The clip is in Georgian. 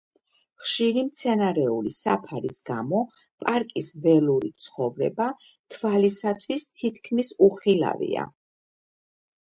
ხშირი მცენარეული საფარის გამო, პარკის ველური ცხოვრება თვალისათვის თითქმის უხილავია.